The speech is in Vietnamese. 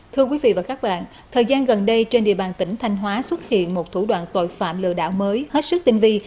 thưa quý vị và các bạn thời gian gần đây trên địa bàn tỉnh thanh hóa xuất hiện một thủ đoạn tội phạm lừa đảo mới hết sức tinh vi